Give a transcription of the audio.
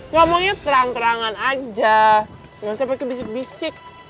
ngomongnya terang terangan aja gak usah pake bisik bisik